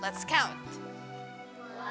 mari kita berkata